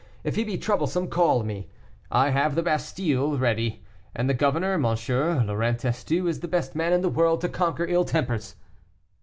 If he be troublesome, call me; I have the Bastile ready, and the governor, M. Laurent Testu, is the best man in the world to conquer ill tempers."